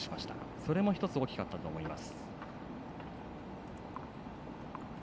それも１つ大きかったと思います。